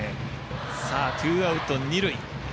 ツーアウト、二塁。